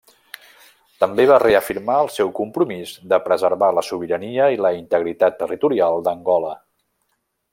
També va reafirmar el seu compromís de preservar la sobirania i la integritat territorial d'Angola.